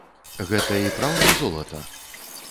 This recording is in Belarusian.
Гэта і праўда золата?